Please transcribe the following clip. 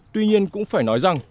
tuy nhiên cũng phải nói rằng